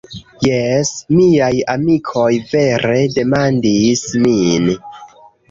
Jes, miaj amikoj vere demandis min